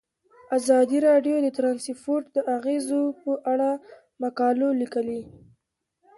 ازادي راډیو د ترانسپورټ د اغیزو په اړه مقالو لیکلي.